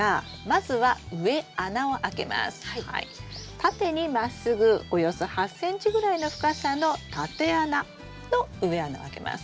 縦にまっすぐおよそ８ｃｍぐらいの深さの縦穴の植え穴をあけます。